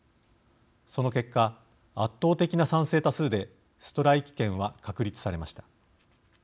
その結果、圧倒的な賛成多数でストライキ権は確立されました。